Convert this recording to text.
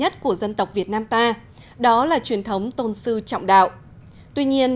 hết công điện